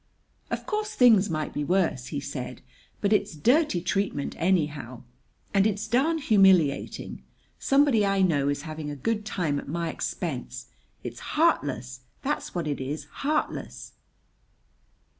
"Of course things might be worse," he said; "but it's dirty treatment, anyhow. And it's darned humiliating. Somebody I know is having a good time at my expense. It's heartless! That's what it is heartless!"